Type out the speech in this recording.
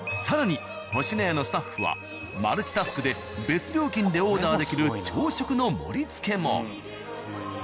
更に「星のや」のスタッフはマルチタスクで別料金でオーダーできる朝食の盛りつけも。